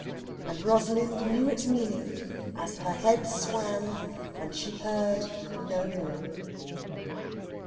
And Rosalind knew its meaning as her head swam and she heard no more.